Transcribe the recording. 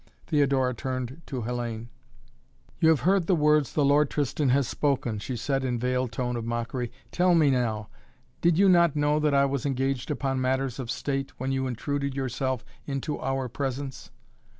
Theodora turned to Hellayne. "You have heard the words the Lord Tristan has spoken," she said in veiled tone of mockery. "Tell me now, did you not know that I was engaged upon matters of state when you intruded yourself into our presence?"